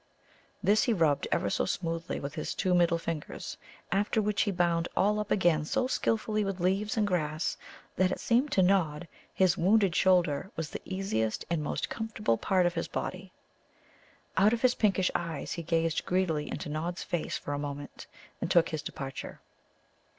This he rubbed ever so smoothly with his two middle fingers. After which he bound all up again so skilfully with leaves and grass that it seemed to Nod his wounded shoulder was the easiest and most comfortable part of his body. Out of his pinkish eyes he gazed greedily into Nod's face for a moment, and took his departure.